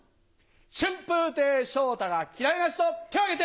春風亭昇太が嫌いな人手を挙げて！